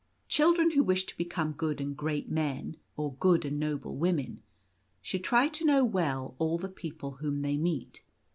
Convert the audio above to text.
Children who wish to become good and great men or good and noble women, should try to know well all the people whom they meet.